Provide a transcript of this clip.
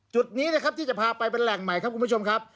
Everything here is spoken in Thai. จุดนี้นะครับที่จะพาไปเป็นแหล่งใหม่ครับคุณผู้ชมครับ